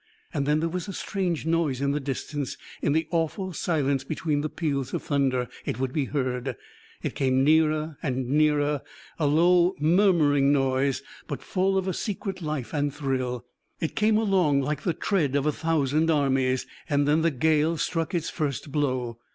And then there was a strange noise in the distance: in the awful silence between the peals of thunder it would be heard; it came nearer and nearer a low murmuring noise, but full of a secret life and thrill it came along like the tread of a thousand armies and then the gale struck its first blow.